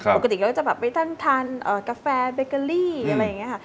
ปกติเราก็จะแบบไปนั่งทานกาแฟเบเกอรี่อะไรอย่างนี้ค่ะ